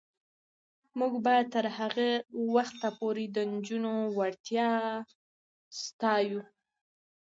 موږ به تر هغه وخته پورې د نجونو وړتیا ستایو.